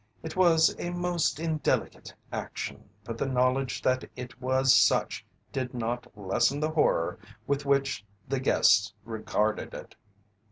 It was a most indelicate action, but the knowledge that it was such did not lessen the horror with which the guests regarded it.